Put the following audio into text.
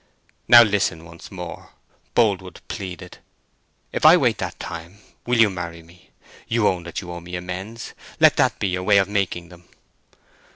"Now listen once more," Boldwood pleaded. "If I wait that time, will you marry me? You own that you owe me amends—let that be your way of making them."